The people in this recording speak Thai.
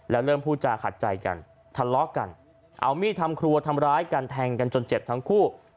แล้วเริ่มพูดจาขัดใจกันทะเลาะกันเอามีดทำครัวทำร้ายกันแทงกันจนเจ็บทั้งคู่